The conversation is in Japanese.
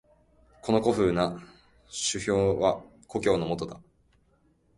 この古風な酒瓢は故郷のものだ。